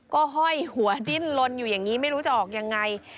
ก็ห้อยหัวดิ้นลนอยู่อย่างนี้ไม่รู้จะออกยังไง